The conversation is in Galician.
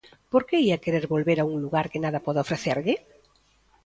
Por que ía querer volver a un lugar que nada pode ofrecerlle?